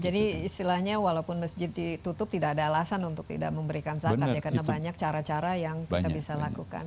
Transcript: jadi istilahnya walaupun masjid ditutup tidak ada alasan untuk tidak memberikan zakat ya karena banyak cara cara yang kita bisa lakukan